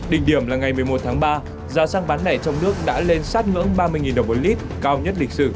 định điểm là ngày một mươi một tháng ba giá xăng bán nẻ trong nước đã lên sát ngưỡng ba mươi đồng một lit cao nhất lịch sử